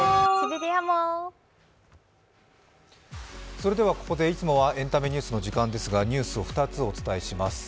それではここでいつもは「エンタメニュース」の時間ですが、ニュースを２つお伝えします。